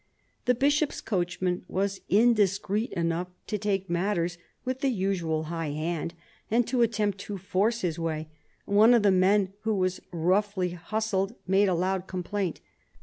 The Bishop's coachman was indiscreet enough to take matters with the usual high hand and to attempt to force his way. One of the men who was roughly hustled made a loud complaint.